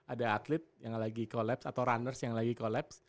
ada atlet yang lagi collapse atau runners yang lagi collapse